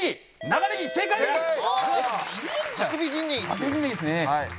長いですね。